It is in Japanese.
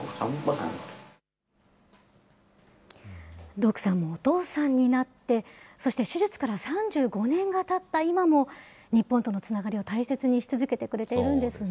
ドクさんもお父さんになって、そして手術から３５年がたった今も、日本とのつながりを大切にし続けてくれているんですね。